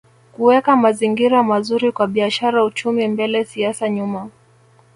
Kuweka mazingira mazuri kwa biashara uchumi mbele siasa nyuma